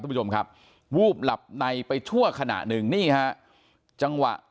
ทุกผู้ชมครับหวูปหลับไหนไปชั่วขณะหนึ่งนี่ฮะ